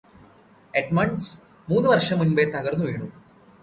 Edmunds മൂന്ന് വര്ഷം മുൻപേ തകര്ന്നു വീണു